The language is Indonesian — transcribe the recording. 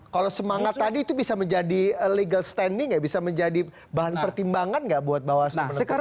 kalau semangat tadi itu bisa menjadi legal standing ya bisa menjadi bahan pertimbangan nggak buat bawaslu menentukan